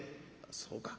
「そうか」。